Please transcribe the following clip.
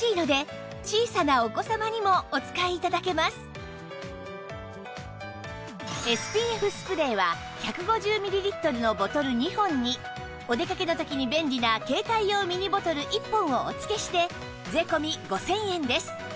お肌に優しいのでＳＰＦ スプレーは１５０ミリリットルのボトル２本にお出かけの時に便利な携帯用ミニボトル１本をお付けして税込５０００円です